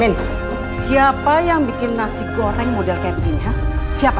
min siapa yang membuat nasi goreng model seperti ini siapa